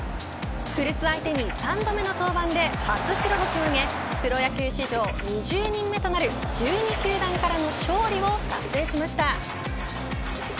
古巣相手に３度目の登板で初白星を挙げプロ野球史上２２人目となる１２球団からの勝利を達成しました。